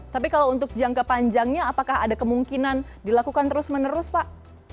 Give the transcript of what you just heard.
tapi kalau untuk jangka panjangnya apakah ada kemungkinan dilakukan terus menerus pak